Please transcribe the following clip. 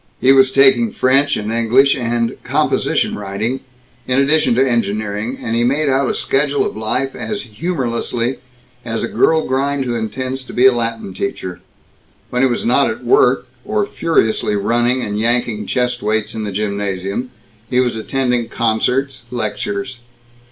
He was taking French and English and "composition writing" in addition to engineering, and he made out a schedule of life as humorlessly as a girl grind who intends to be a Latin teacher. When he was not at work, or furiously running and yanking chest weights in the gymnasium, he was attending concerts, lectures.